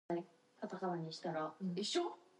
The car was abandoned in a desolate K Street parking lot.